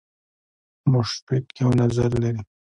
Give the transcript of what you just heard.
مشفق یو نظر لري.